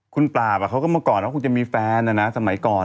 คุณปราบมันก่อนจะมีแฟนสมัยก่อน